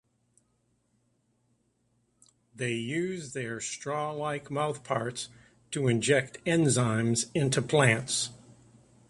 They use their straw-like mouthparts to inject enzymes into plants.